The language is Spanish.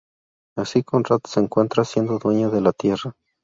Así Conrad se encuentra siendo dueño de la Tierra.